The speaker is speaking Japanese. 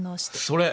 それ！